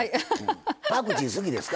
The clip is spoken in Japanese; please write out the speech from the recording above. パクチー好きですか？